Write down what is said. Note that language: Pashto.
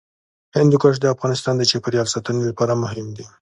هندوکش د افغانستان د چاپیریال ساتنې لپاره مهم دي.